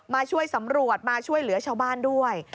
มาช่วยสำรวจมาช่วยเหลือชาวบ้านด้วย